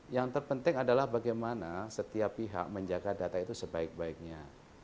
yang terpenting adalah bagaimana setiap pihak menjaga data itu sebaik baiknya